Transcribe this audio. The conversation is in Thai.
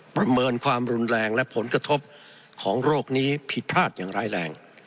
ประเมินความรุนแรงและผลกระทบของโรคนี้ผิดพลาดอย่างร้ายแรง